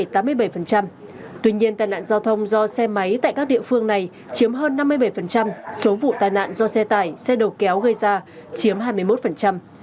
tuy nhiên tai nạn giao thông do xe máy tại các địa phương này chiếm hơn năm mươi bảy số vụ tai nạn do xe tải xe đầu kéo gây ra chiếm hai mươi một